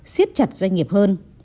siết chặt doanh nghiệp hơn